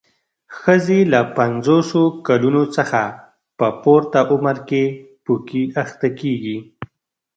ښځې له پنځوسو کلونو څخه په پورته عمر کې پوکي اخته کېږي.